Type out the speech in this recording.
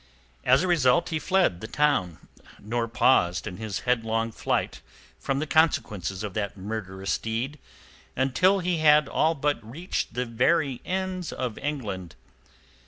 As a result he fled the town, nor paused in his headlong flight from the consequences of that murderous deed until he had all but reached the very ends of England.